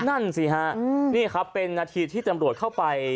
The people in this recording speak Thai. นั่นสิฮะนี่ครับเป็นนาทีที่ตำรวจเข้าไป